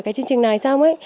cái chương trình này xong